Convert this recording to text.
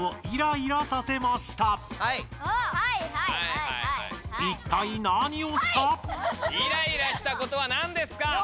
イライラしたことはなんですか？